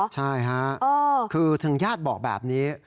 ใช่ฮะเออคือถึงญาติบอกแบบนี้